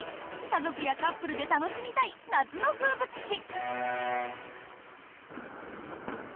家族やカップルで楽しみたい夏の風物詩。